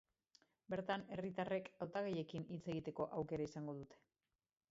Bertan, herritarrek hautagaiekin hitz egiteko aukera izango dute.